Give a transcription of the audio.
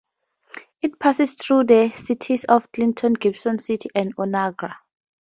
It passes through the cities of Clinton, Gibson City, and Onarga.